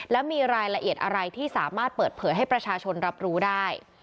และมีรายละเอียดอะไรที่สามารถเปิดเผยให้ประชาชนรับรู้ได้